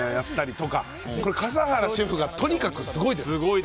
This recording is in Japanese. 笠原シェフがとにかくすごいです。